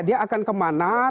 dia akan kemana